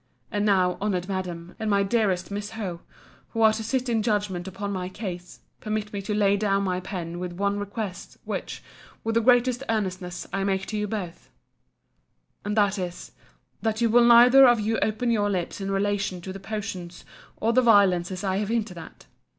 And now, honoured Madam, and my dearest Miss Howe, who are to sit in judgment upon my case, permit me to lay down my pen with one request, which, with the greatest earnestness, I make to you both: and that is, That you will neither of you open your lips in relation to the potions and the violences I have hinted at.